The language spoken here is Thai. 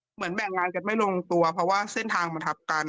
เหมือนแบ่งงานกันไม่ลงตัวเพราะว่าเส้นทางมันทับกัน